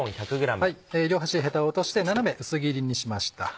両端ヘタを落として斜め薄切りにしました。